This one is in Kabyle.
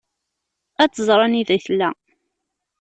Ad tẓer anida i tella.